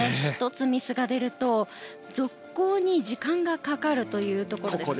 １つミスが出ると続行に時間がかかるというところです。